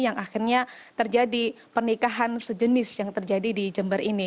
yang akhirnya terjadi pernikahan sejenis yang terjadi di jember ini